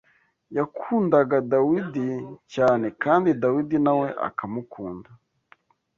Yakundaga Dawidi cyane kandi Dawidi na we akamukunda